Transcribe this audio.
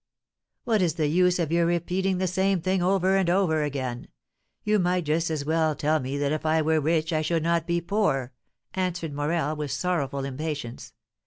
"What is the use of your repeating the same thing over and over again? You might just as well tell me that if I were rich I should not be poor," answered Morel, with sorrowful impatience.